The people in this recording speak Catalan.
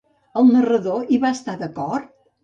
El narrador hi va estar d'acord?